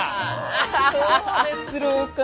あそうですろうか？